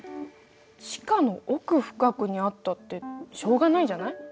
地下の奥深くにあったってしょうがないじゃない？